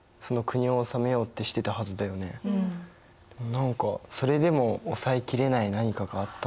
何かそれでも抑えきれない何かがあったのかな。